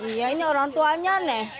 iya ini orang tuanya nih